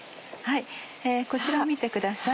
こちらを見てください